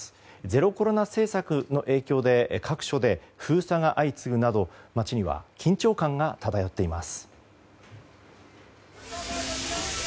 ゼロコロナ政策の影響で各所で封鎖が相次ぐなど街には緊張感が漂っています。